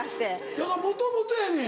だからもともとやねん。